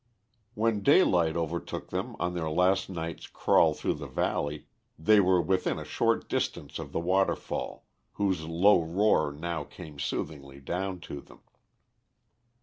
When daylight overtook them on their last night's crawl through the valley, they were within a short distance of the waterfall, whose low roar now came soothingly down to them.